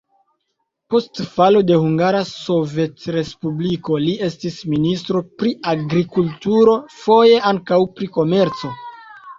Post falo de Hungara Sovetrespubliko li estis ministro pri agrikulturo, foje ankaŭ pri komerco.